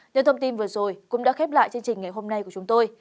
những thông tin vừa rồi cũng đã khép lại chương trình ngày hôm nay của chúng tôi